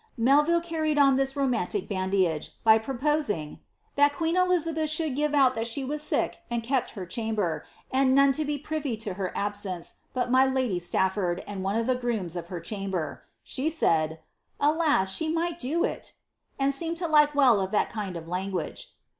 ^ Melville carried on this romantic badinage by proposing ^ that queen Elizabeth should give out that she was sick and kept her cham ber, and none to be privy to her absence but my lady Stafford and one of the grooms of her chamber. She said, ^ Alas, would she might do hP and seemed to like well of that kind of language."